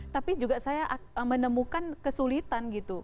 tapi juga saya menemukan kesulitan gitu